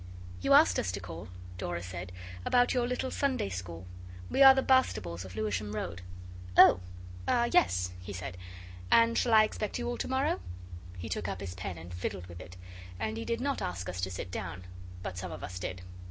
'You asked us to call,' Dora said, 'about your little Sunday school. We are the Bastables of Lewisham Road.' 'Oh ah, yes,' he said; 'and shall I expect you all to morrow?' He took up his pen and fiddled with it, and he did not ask us to sit down. But some of us did.